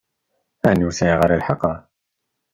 Ɛni ur sɛiɣ ara lḥeqq?